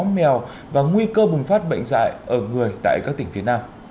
mèo và nguy cơ bùng phát bệnh dạy ở người tại các tỉnh phía nam